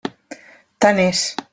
Tant és.